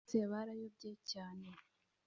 bose barayobye cyane